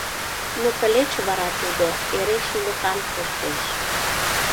Но тылеч вара тудо эре шӱлыкан коштеш.